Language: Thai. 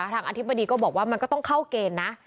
อธิบดีก็บอกว่ามันก็ต้องเข้าเกณฑ์นะ